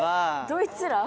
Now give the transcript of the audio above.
どいつら？